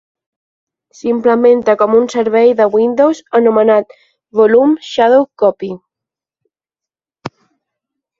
S'implementa com un servei de Windows anomenat "Volume Shadow Copy".